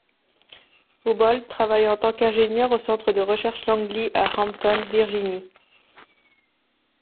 Houbolt travaille en tant qu'ingénieur au centre de recherche Langley à Hampton, Virginie.